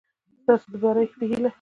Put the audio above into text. ستاسو د بري په هېله